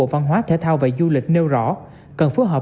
và du lịch nêu rõ cần phù hợp